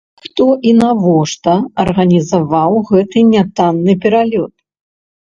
Хто і навошта арганізаваў гэты нятанны пералёт?